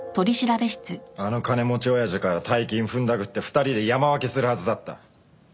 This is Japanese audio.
あの金持ちおやじから大金ふんだくって２人で山分けするはずだった。